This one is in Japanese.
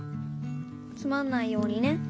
つまんないようにね。